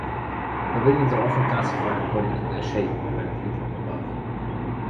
Pavilions are often classified according to their shape when viewed from above.